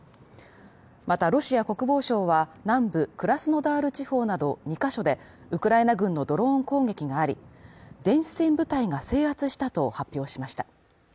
またロシア国防省は南部クラスノダール地方など２ヶ所でウクライナ軍のドローン攻撃があり、電子戦部隊が制圧したと発表しました。